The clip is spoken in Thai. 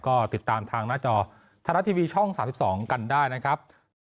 ก็ติดตามทางหน้าจอไทยรัฐทีวีช่อง๓๒กันได้นะครับ